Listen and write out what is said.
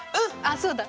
そうだ！